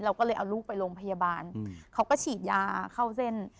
เราก็เลยเอาลูกไปโรงพยาบาลเขาก็ฉีดยาเข้าเส้น